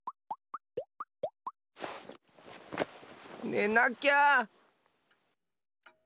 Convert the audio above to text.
ねなきゃ。